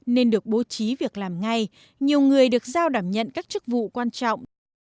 nhiều người được giao đảm nhận các chức vụ quan trọng